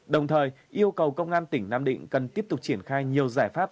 đồng thời yêu cầu công an tỉnh nam định cần tiếp tục triển khai nhiều giải pháp